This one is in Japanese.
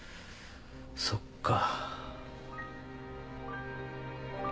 そっか。